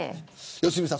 良純さん